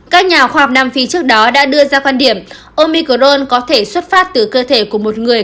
các nhà khoa học nam phi trước đó đã đưa ra quan điểm omicrone có thể xuất phát từ cơ thể của một người